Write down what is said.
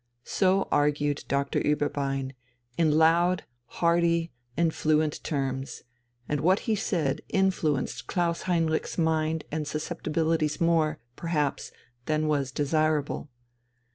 So argued Doctor Ueberbein, in loud, hearty, and fluent terms, and what he said influenced Klaus Heinrich's mind and susceptibilities more, perhaps, than was desirable.